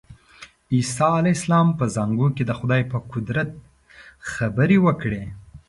عیسی علیه السلام په زانګو کې د خدای په قدرت خبرې وکړې.